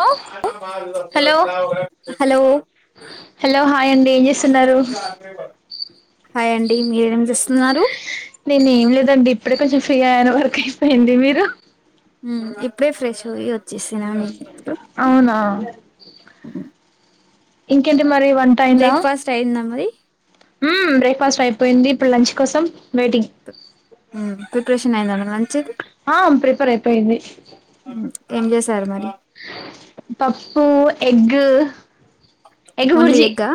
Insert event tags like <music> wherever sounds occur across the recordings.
Hello hello hello hi అండి ఏం చేస్తున్నారు హాయ్ అండి మీరేం చేస్తున్నారు నేను ఏం లేదండి ఇప్పుడే కొంచెం ఫ్రీ ఆయన వర్క్ అయిపోయింది మీరు హ్మ్ ఇప్పుడే ఫ్రెష్ అయి అవునా ఇంకెంటి మరి వన్ టయిందా బ్రేక్ఫాస్ట్ అయిందా మరి హ్మ్ బ్రేక్ఫాస్ట్ అయిపోయింది ఇప్పుడు లంచ్ కోసం వెయిటింగ్ హ్మ్ ప్రిపరేషన్ అయిందా మంచిది ఆమ్ ప్రిపేర్ అయిపోయింది ఏం చేశారు మరి పప్పు ఎగ్ ఎగ్ ఓన్లీ బుర్జీ ఎగ్గా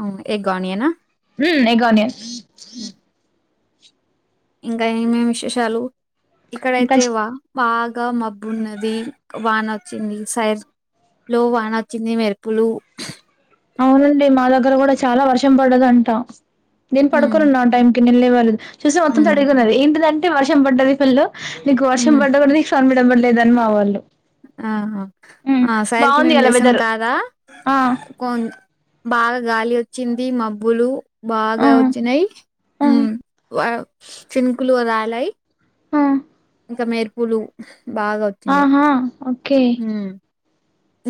అవును ఎగ్ ఆనియన్ ఆహ్ హ్మ్ ఎగ్ ఆనియన్ ఇంకా ఏమేమి విశేషాలు ఇక్కడ ఇంకా అయితే చ్- వా వా గా మబ్బు ఉన్నది వాన వచ్చింది సైర్ లో వాన వచ్చింది మెరుపులు అవునండి మా దగ్గర కూడా చాలా వర్షం పడ్డదంట నేను ఉమ్ పడుకొని ఉన్న ఆ టైం కి నేను లేవలేదు చూసే మొత్తం ఉమ్ తడిగా ఉంది ఏంటిదంటే అంటే వర్షం పడ్డది ఫుల్ నీకు వర్షం పడ్డ కూడా నీ సౌం <unintelligible> లేదని మా వాళ్లు ఆహా ఆ సార్ కి బాగుంది మేము ఇయాల లేసాం వెదర్ కాదా ఆ కొన్ బాగా గాలి వచ్చింది మబ్బులు ఆ బాగా వచ్చినయ్ ఆ హ్మ్ వా చినుకులు రాలాయ్ ఆ ఇంకా మెరుపులు బాగా ఆహా ఓకే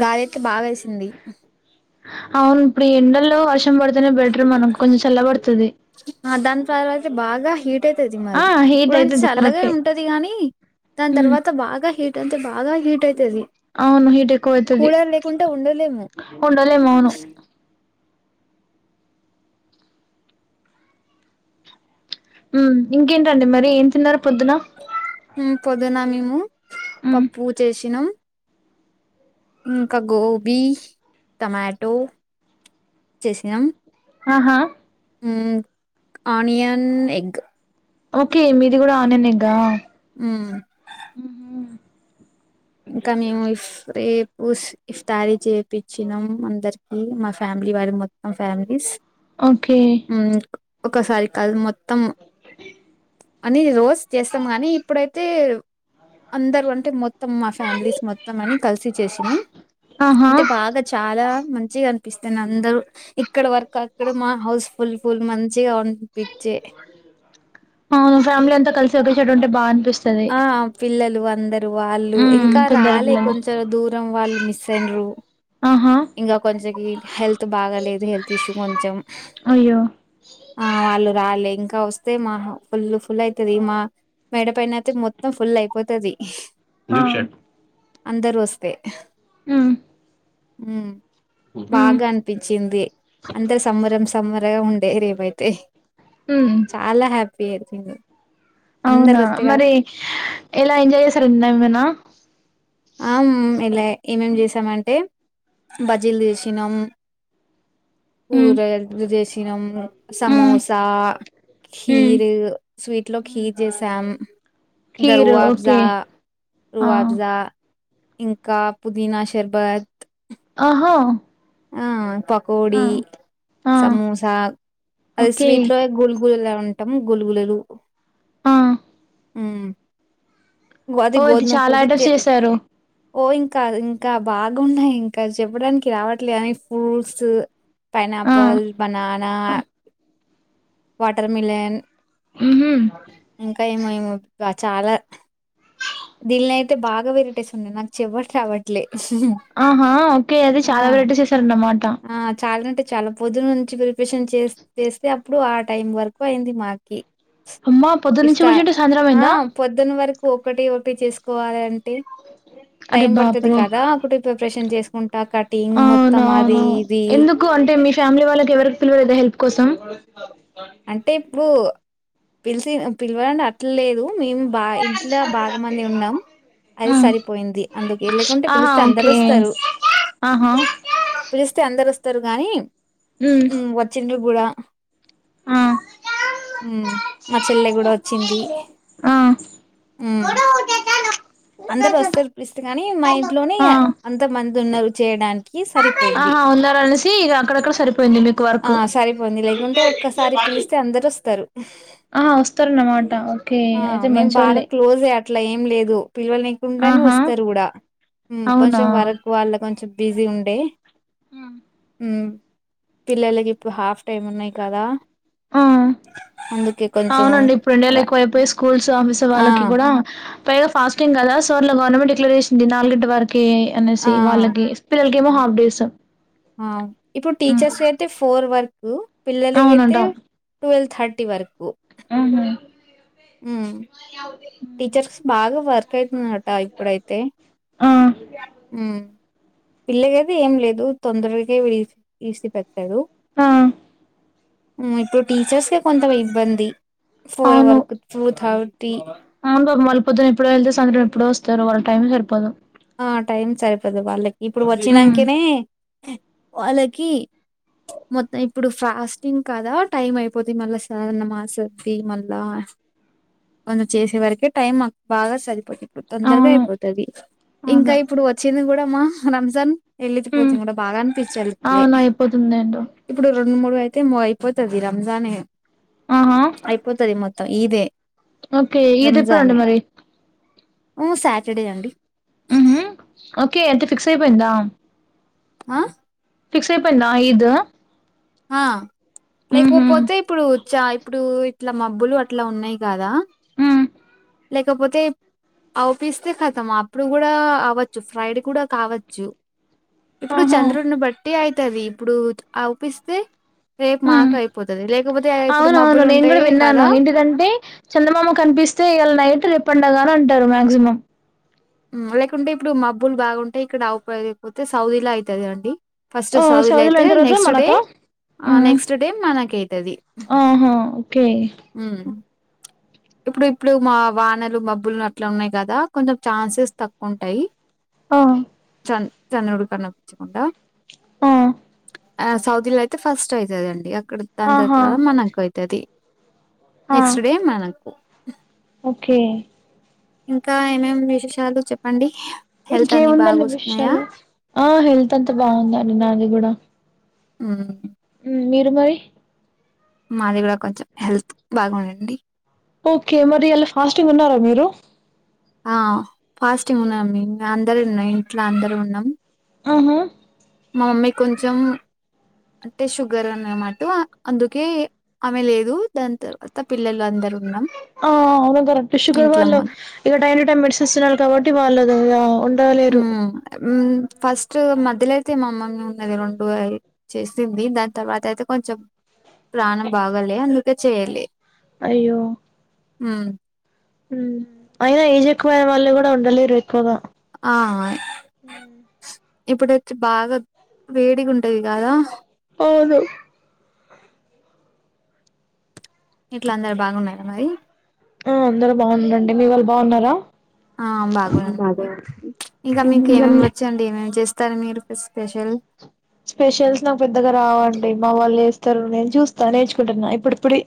గాలియితే బా వేసింది అవును ఇప్పుడు ఈ ఎండలో వర్ష ర్షం పడితేనే బెటర్ మనకి కొంచెం చల్లబడతది బాగా హీట్ ట్ అయితది మరి ఇప్పుడ అంటే అయితది చల్లగే కరెక్టే ఉంటది కానీ దాని హ్మ్ తర్వాత బాగా హీట్ అంటే బాగా హీట్ అయితది అవును హీట్ ఎక్కువ అయితది కూలర్ లేకుంటే ఉండలేము ఉండలేము అవును ఉహ్ ఇంకేంటండి మరి ఏం తిన్నారు పొద్దున ఉహ్ పొద్దున మేము హ్మ్ పప్పు చేసినం ఇంకా గోబీ టమాటో చేసినాం ఆహా ఉహ్ ఆనియన్ ఎగ్ ఓకే మీది కూడా ఆనియన్ ఎగ్గ ఉహ్ ఇంకా మీము ఇఫ్ రి ఇఫ్తారీ చేపచ్చినం అందరికి మా ఫ్యామిలీ వాారి మొత్తం ఫ్యామిలీస్ ఓకే ఉమ్, ఒకసారి కాదు మొత్తం అని రోస్ చేస్తాం గానీ ఇప్పుడైతే అందరు అంటే మొ త్తం మా ఫ్యామిలీస్ మొత్తం అని కలిసి చేసినం ఆహా అంటే బాగా చాలా మంచిగా అ ప్పిస్తను అందరు ఇక్కడ వర్కు అక్కడ మా హౌస్ ఫుల్ ఫుల్ మంచిగా వండిపి అవును ఫ్యామిలీ అంతా కలిసి ఒకే సైడుంటే బాగా అనిపీస్ ఆ పిల్లలు అందరు వాళ్ళు హ్మ్ ఇంకా పెద్దల రాలే పిల్లలు కొంచెం దూరం వాళ్ళు మిస్ అఇండ్రు ఆహా ఇంకా కొంచెం హెల్త్ బాగాలేదు హెల్త్ ఇష్యూ కొంచం అయ్యో ఆ వాళ్ళు రాలే ఇంకా ఇంకా వస్తే మా ఫుల్ ఫుల్ అవుతది మా మెడ పైన అయితే మొత్తం ఫుల్ అయిపోతది ఆ అందరు వస్తే హు హు బాగా అనిపించింది అంత సబరం సం బరంగా ఉండే రేపయితే ఉమ్ చాలా హ్యా పెరు చేంజ్ అవునా మరి ఎలా ఎంజాయ్ చేసరన్నామనా మేలే ఏమేం చేసామంటే బజ్జిలు చేసినాం ఉమ్ పూరే డ్లు జేసీ తినం ఉమ్ సమోసా ఉమ్ ఖీరు స్వీట్ లో ఖీర్ చేసాం ఇం గ కీర్ రువా అఫజా ఓకే ఆ రువా అఫజా ఇంకా పుదీనా శర్బత్ ఆహా ఆ ప కోడీ ఆ సమోసా అది ఓకే స్వీట్ లో గుల్ గుల్ అంటం గులుగులులు ఆ ఉమ్ ఓ అది చాలా టైప్స్ చేసారు ఓ ఇంకా ఇంకా బాగున్నాయి ఇంకా చెప్పడానికి రావట్లేదని ఫ్రూట్స్ ఆ పైనాపల్ బనానా వాటర్మిలన్ ఉహు ఇంకా ఏమో ఏమో ఇంక చాలా దీన్లో అయితే బాగా వెరైటీస్ ఉన్నయి నాకు చెపట్ రావట్లే ఆహా ఓకే అది ఆ చాలా వెరైటీస్ చేస్తారన్నమాటా ఆ చాలా అంటే చాలా పొద్దున్ నుంచి ప్రిపరేషన్ చేస్ చేస్తే అప్పుడు ఆ టైం వరకు అయింది మాకి అమ్మా పొద్దుట నుంచి కూర్చుంటే సాయంత్రం అయిందా ఒకటీ ఒక కటి చేసుకోవాలి అంటే అరే టైం పడుతది బాపరే కదా ఒకటి ప్రిపరేషన్ చేసుకుంటా కటింగ్ మొత్తం అవునా అది అవునూ ఇది ఎందుకు అంటే మీ ఫ్యామిలీ వాళ్ళకి ఎవరికి పిలువలేద హెల్ప్ కోసం <inaudible> అంటే ఇప్పుడూ పిలిచీ పిలవడం అట్ల లేదు మేము బా ఇంట్లో బాగా మంది ఉన్నాం అది ఉమ్. సరిపోయింది అందుకే లేకుంటే ఆహా పిలిస్తే అందరు ఓకే వస్తారు ఆహా పిలిస్తే అందరు వస్త త్తరు గానీ ఉమ్ ఉ వచ్చినిండ్రు కూడా ఆ ఉం మా చెల్లె గూడా వచ్చింది ఆ ఉమ్ అందరు వస్తారు పిలిస్తే గానీ మా ఇంట్లోనే ఆ అంత మంది ఉన్నరు చేయడానికి సరిపోయింది ఆహా ఉన్నారు అనేశీ ఇక అక్కడక్కడ సరిపోయింది మీకు ఆ! వర్క్ సరిపోయింది. లేకుంటే ఒక్కసారి పిలిస్తే అందరొస్తారు. ఆహా వస్తార అన్నమాట ఓకే ఆ! అయితే మంచోళ్ళే పిల్ల్వనీ కుండానే ఆహా వస్తారు కూడా ఉమ్ అవునా కొంచెం వరకు వాళ్ళ కొంచెం బిజీ ఉండే ఆ ఉమ్ పిల్లలకి ఇప్పుడు హాఫ్ టైమ్ ఉన్నాయి కదా! ఆ హా అందుకే ఆ కొంచెం అవునండి ఇప్పుడు ర రెండేళ్ళ ఎక్కువైపోయి స్కూల్స్ ఆఫీస్ ఆ! వాళ్ళకి కూడా పైగా ఫాస్టింగ్ కదా సో అట్ల గవర్నమెంట్ డిక్లేర్ చేసింది నాలుగుంటి వరక్ కే ఆ! న్నేసి వాళ్ళే స్ ప వొ హాఫ్ డేస్ ఆ ఇప్పుడు టీచర్స్ అయితే ఫోర్ వర్క్ ఉ పిల్లకియితే అవునంట టువల్వ్ థ టి వరకు ఆహా ఉం <unintelligible> <unintelligible> ఆ ఇప్పుడైతే ఆ ఉం పిల్లగ ఐతే ఏం లేదు తొందరగా ఈసి పెట్టాడు ఆ ఉం ఇప్పుడు టీచర్స్ కె కొంత ఇబ్బంది ఫోర్ అవును వర్కు టూ థర్టీ పొద్దు ఎడడు వెళ్తే సందంతం ఎప్పుడ వస్తారు వాళ్ళ టైం సరిపోదు ఆ టైమ్ సరిపోదు వాళ్ళకి ఇప్పుడు ఉమ్ వచ్చినాంకనే వాళ్ళకి మొత్తం ఇప్పుడు ఫాస్టింగ్ కదా టైం అయిపోతి మళ్ళా సాధారణ ఆసద్ది మళ్ళా కొన్న చేసే వరకే టైం మాకు బాగా సరిపోతుంది తొందరగా అవును అయిపోతది ఇంకా అవును ఇప్పుడు వచ్చింది కూడా మా రంజాన్ వెళ్ళకి పోతే ఉమ్ కూడా బాగా అనిపించాలట్లే అవును అయిపోతుంది ఏంటో ఇప్పుడు రెండు మూడు అయితే మో అయిపోతుది రంజానే ఆహా అయిపోతుది మొత్త త ఇదే ఓకే ఇది ఎప్పుడండి మరి ఓ సాటర్డే అండి మ్ హు ఓకే అయితే ఫిక్స్ అయిపోయిందా ఆ ఫిక్స్ అయిపోఇందా ఈద్ హా ఉహు లేకపోతే ఇప్పుడు చ ఇప్పుడు ఇట్లా మబ్బులు అట్లా ఉన్నాయి కదా ఉమ్ లేకపోతే అవుపిస్తే కతం అప్పుడు కూడా అవచ్చు ఫ్రైడ్ కూడా కావచ్చు ఇప్పుడు ఆహా చంద్రుడిని బట్టి అయితే తది ఇప్పుడు ఆవుపిస్తే ఉమ్ ఇప్పుడు అవునవును మబ్బులు నేను కూడా ఉంటాయి విన్నాను కదా ఏంటిదంటే చందమామ కనిపిస్తే ఇయల్ నైట్ రేప్ పండగా అని అంటారు మాక్సిమం హు లేకుంటే ఇప్పుడు మబ్బులు బాగుంటే ఇక్కడ అవుపోకపోతే సౌదీలా అయితది అండి ఫర్స్ట్ ఆ సౌదీలో సౌదిలయితే అయిన తర్వాత నెక్స్ట్ డే మనకా ఆ ఉమ్ నెక్స్ట్ డే మన కయితది ఆహా ఓకే హు ఇప్పుడు ఇప్పుడు మా వానలు మబ్బులు అట్లా ఉన్నాయి కదా కొంచెం ఛాన్సెస్ తక్కువ ఉంటాయి ఆ చన్ చంద్రుడు కనిపించకుండా ఆ ఆ సౌదిల తే ఫస్ట్ అయితది అండి అక్ క్కడ ఆహా దంతర్వాత మనకు అయితది ఆ నెక్స్ట్ డే మనకు ఓకే ఇంకా ఏమేం విశేషాలు చెప్పండి హెల్త్ అన్ని ఇంకేముందండి బాగూసున్నాయా విషయాలు ఆ హెల్త్ అంతా బాగుంది అండి నాది కూడా ఉమ్ మీరు మరి మాది కూడా కొంచెం హెల్త్ బాగుండింది ఓకే మరి ఇయ్యాల ఫాస్టింగ్ ఉన్నారా మీరు ఆ ఫాస్టింగ్ ఉన్నాం మేం అందరు ఉన్నా ఇంట్లో అందరూ ఉన్నాం ఆహా మా మమ్మీ కొంచెం అంటే షుగర్ అన్నమాట అందుకే ఆమె లేదు దాని తర్వాత పిల్లలు అందరూ ఉన్నాం ఆ అవును కరెక్ట్ షుగర్ ఇంట్లో వాళ్ళు మొ ఇగ టైన్ టు టైమ్ మెడిసిన్స్ తినాలి కాబట్టి వాళ్ళు ఆ ఉమ్ ఉమ్ ఫస్ట్ మధ్యలో అయితే మా అమ్మమే ఉన్నది రెండు ఆ చేసింది దాని తర్వాత అయితే కొంచెం ప్రాణం బాగాలే అందుకే చేయాలే అయ్యో హు హు, అయినా ఏజ్ ఎక్కువ అయినా వాళ్ళు కూడా ఉండలేరు. ఎక్కువగా ఆ ఇప్పుడు వచ్చి బాగా వేడిగా ఉంన్ టది కాదా అవును ఇంట్లో అందరు బాగున్నారా మరి ఆ అందరూ బావున్నరండీ, మీ వాళ్ళు బావున్నారా ఇంకా మీకు ఏమేమి వచ్చండి ఏమేమి చేస్ త్తరు మీరు పస్ స్పెషల్ స్పెషల్స్ నాకు పెద్దగా రావండి, మా వాళ్ళు ఏస్తారు నేను చూస్తా నేర్చుకుంటున్నా ఇప్పుడు ఇప్పురి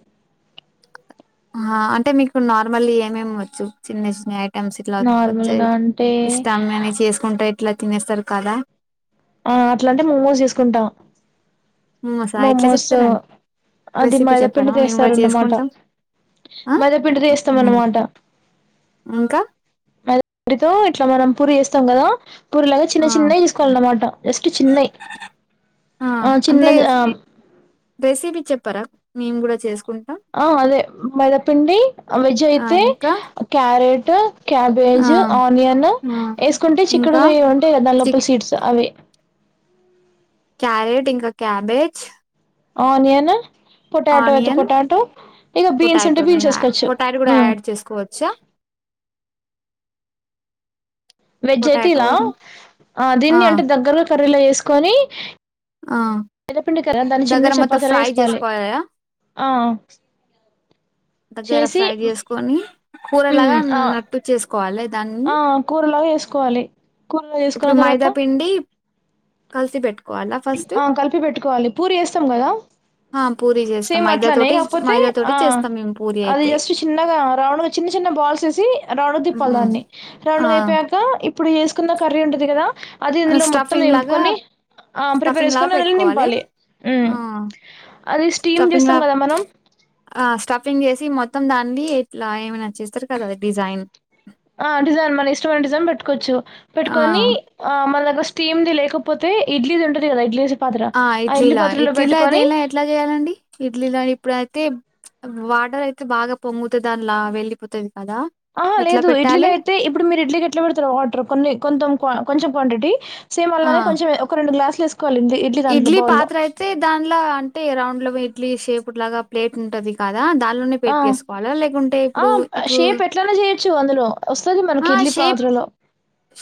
ఆ అంటే మీకు నార్మల్ ఏమేమ్ వచ్చు చిన్న స్నాక్ ఎమ్స్ ఇట్ల వచ్చయ్, నార్మల్గా అంటే ఇష్టామ్మయ్ నయ్ చేసుకుంటె ఎట్లా తినేస్సరు కదా ఆ అట్లాంటే మెమోస్ తీసుకుంటా మోమోసా ఎట్లా మోమోస్, చెప్తారండి? అది రెసిపీ మైదపిండి చెప్పారా? మేము గూడా తిస్సారన్నమాట, చేసుకుంటాం. ఆ మైదపిండి తీస్తాం ఉమ్, అన్నమాట ఇంకా మై పిండితో ఇట్ల మనం పూరి ఎస్తాం కదా. పూరి లాగా చిన్న ఆ చిన్నవి తీసుకోలన్నమాట, జస్ట్ చిన్నయ్, ఆ చిన్నది ఆ చేస్ ఆ అదే మైదపిండి, ఆ వెజ్ ఆ అయితే ఇంకా క్యారె ట్ ఆ క్యాబేజు, ఆనియన్ ఆ ఏసుకుంటే ఇంకా చిక్కుడుగాయ ఉంటాయ్ కదా దాని చిక్ లోపల సీడ్స్ అవి క్యారెట్ ఇంకా క్యాబేజ్ ఆనియన్ పొటాటో అయితే ఆనియన్ పొటాటో ఇక బీన్స్ ఉంటే పొటాటో బీన్స్ ఏసుకోవచ్చు. పొటాటో కూడా హు యాడ్ చేసుకోవచ్చా వెజ్ అయితే పొటాటో ఇలా, ఆ దీన్ని అంటే దగ్గరగా కర్రీలో ఎస్ సుక్కొని ఆ తెల్ల పిండికర దాన్ని దగ్గర చిన్న మొత్తం చపాతిల ఫ్రై ఏసుకోవాలి. చేసుకోవాలయా ఆ ఆ దగ్గర ఫ్రై చేసుకొని కూర లగా మ్మ్ ఆ నట్టు చేస్ ఆ కూరలో సుకోవాలె ఇప్పుడు మైదా పిండి కల్సి పెట్ ఆ కలిపి పెట్టుకోవాలి పూరి ఏస్తాం కదా, ఆ పూరి చేస్తాం సేమ్ మైదా అట్లనే తోటి ఆపోతే మైదా ఆ, తోటి చేస్తాం మేము పూరి అది అయితే జస్ట్ చిన్నగా రౌండ్ చిన్న చిన్న బాల్స్ ఏసి రౌండ్ తిప్పాల్ మ్మ్ దాన్ని, రౌండ్ ఆ తిప్పెక ఇప్పుడు చేసుకున్న కర్రీ ఉంటుంది కదా అది ఇందులో మొత్తం స్టఫింగ్ లాగా ఎంపుకొని స్టఫింగ్ లా పెట్టుకోవాలలే అది స్టీమ్ స్టఫింగ్ లా చేస్తాం కదా మనం స్టఫింగ్ చేసి మొత్తం దా ఏట్ లోయ ఏ మ ఆ డిజైన్ మన ఇష్టమైన డిజైన్ పెట్టుకోవచ్చు ఆ పెట్టుకొని ఆ మళ్ళ స్టీమ్ ది లేకపోతే ఇడ్లీది ఉంటది కదా ఇడ్లీ పాత్ర ఆ ఇడ్లీలా పాత్రలో ఇడ్లీ లా పెట్టుకొని దేనిలా ఎట్లా చేయాలండి ఇడ్లీల ఆ ఇప్పుడు అయితే వాటర్ అయితే బాగా పొంగుతు దానిలా వెళ్ళలిపోతది ఆహా లేదు ఇడ్లీలో అయితే ఇప్పుడు మీరు ఇడ్లీకి ఎట్లా పెడతారుా వాటర్ కొన్ని కకోతం కొంచెం క్వాంటిటీ సేమ్ ఆ అల్లానే కొంచెం ఒక రెండు గ్లాస్ ఇడ్లీ పాత్ర అయితే దాంలో అంటే రౌండ్ల ఇడ్లీ షేప్ లాగా ప్లేట్ ఉంటది కా దానిలో ఆ! పెట్టు ఏసుకోవాలా లేకుంటే ఆ! ఇప్పుడు ఇప్పుడు షేప్ ఎట్లైనా చేయొచ్చు అందులో. వస్తది మనకి ఆ ఇడ్లీ షేప్ పాత్రలో.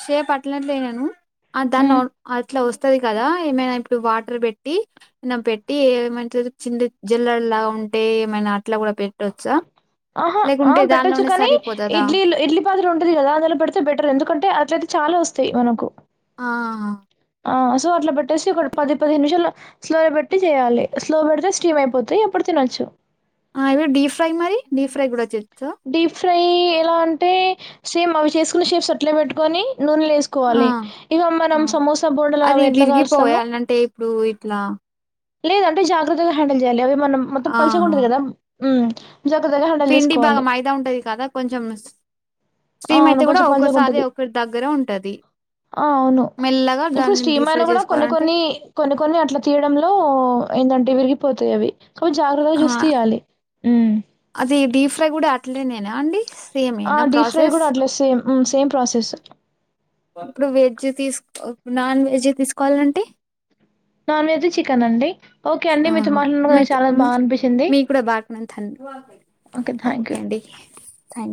షేప్ అట్లా అట్లనే ఆ దాని హ్మ్. నార్మల్ అట్ల వస్తా వస్తది కదా ఏమైనా ఇప్పుడు వాటర్ పెట్టి పెట్టి ఏమైతే చిన్న జల్లలగా ఉంటే ఏమైనా అట్లా కూడా పె ఆహా ఆ పెట్టొచ్చు కానీ సరిపోతదా ఇడ్లీ ఇడ్లీ పాత్ర ఉంటది కదా అందులో పెడితే బెటర్ ఎందుకంటే అట్లయితే చాలా వస్తు వస్తే మనకు ఆ ఆ సో అట్లా పెట్టేసి ఒక పది పదిహ నిమిషాలు స్లోలో పెట్టి చేయాలి స్లో పెడితే స్టీమ్ అయిపోతాయి ఎప్పుడు తినొచ్చు ఆ ఇవి డి ఫ్రై మరి డిప్ ప్ప్ఫ్రై కూడా చే డిఫ్ ఫ్రై ఎలా అంటే సేమ్ అవి చేసుకున్న షేప్స్ అట్లే పెట్టుకొని నూనె ఆ వేసుకోవాలి ఇక ఆ మనం సమోసా బోడలు అది ఎట్లా కాలుస్తాము విరిగిపోయాలంటే ఇప్పుడు ఇట్లా లేదంటే జాగ్రత్తగా హ్యాండిల్ చేయాలి అవి మనం మొత్తం ఆహా పల్చగుంటది కదా ఉ పిండి బాగా మైదా ఉంటది కదా కొంచెం స్టీమ్ అవును అయితే కూడా కొంచెం ఒక్కోసారి పలుచగుంటది. ఒకరి దగ్గరే ఉంటది ఆ! అవును. మెల్లగా ఇప్పుడు దాన్ని డీ స్టీమ్ ఫ్రై అయినా గూడా కొన్ని చేసుకోవాలంటే ఓ ఏంటంటే విరిగిపోతాయి అవి అవి జాగ్రత్తగా ఆ చూసి తీయాలి అది డీప్ ఫ్రై కూడా అట్లేనేనా అండి ఆ సేమేనా డిప్ ఫ్రై ప్రాసెస్ కూడా అట్లానే సేమ్ హు సేమ్ ప్రాసెస్ ఇప్పుడు వెజ్ తీసుకో నాన్ వెజ్ తీసుకోవాలంటే నాన్ వెజ్ చికెన్ అండి ఓకే అండి ఆ మీతో మాట్లాడన నా మీకు చాలా బాగా అనిపించింది మీకు కూడా బాగానే ఓకే థ్యాంక్ యూ థ్యాంక్